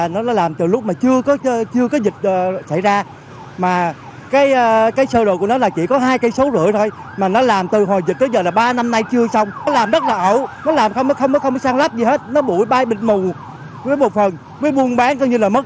nó bụi bay mịt mù với một phần với buôn bán coi như là mất